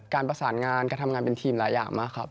การประสานงานการทำงานเป็นทีมหลายอย่างมากครับ